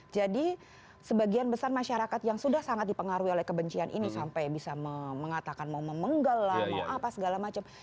jadi sebagian besar masyarakat yang sudah sangat dipengaruhi oleh kebencian ini sampai bisa mengatakan mau menggelap mau apa segala macam